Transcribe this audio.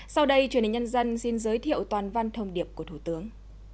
sau đây truyền hình nhân dân xin giới thiệu toàn văn thông điệp của thủ tướng